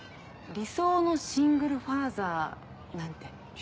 理想のシングルファーザー。